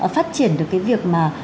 phát triển được cái việc mà